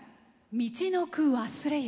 「みちのく忘れ雪」。